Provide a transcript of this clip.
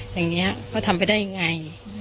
อย่างนี้เขาทำไปได้ยังไง